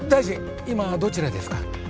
今どちらですか？